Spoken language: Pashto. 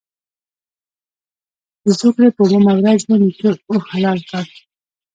د زوکړ ې په اوومه ورځ یې نیکه اوښ حلال کړ.